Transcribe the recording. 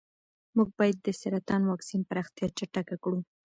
موږ باید د سرطان واکسین پراختیا چټکه کړو.